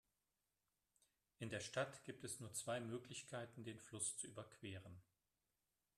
In der Stadt gibt es nur zwei Möglichkeiten, den Fluss zu überqueren.